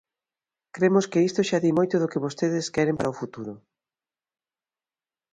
Cremos que isto xa di moito do que vostedes queren para o futuro.